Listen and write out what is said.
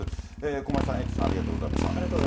駒井さん、エイトさん、ありがとうございました。